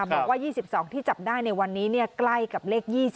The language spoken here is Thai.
บอกว่า๒๒ที่จับได้ในวันนี้ใกล้กับเลข๒๒